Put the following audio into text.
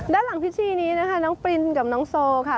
ด้านหลังพิธีนี้นะคะน้องปรินกับน้องโซค่ะ